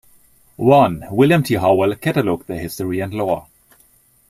One, William T. Howell, catalogued their history and lore.